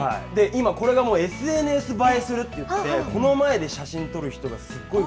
今、これがもうＳＮＳ映えするっていって、この前で写真撮る